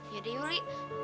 ya udah yuli